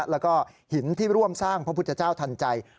แล้วก็หินที่ร่วมสร้างพระพุทธเจ้าทันใจ